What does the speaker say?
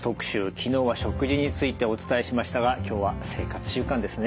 昨日は食事についてお伝えしましたが今日は生活習慣ですね。